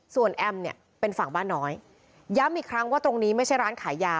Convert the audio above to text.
ส่วนแอมเนี่ยเป็นฝั่งบ้านน้อยย้ำอีกครั้งว่าตรงนี้ไม่ใช่ร้านขายยา